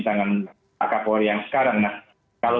tangan pak kapolri yang sekarang nah kalau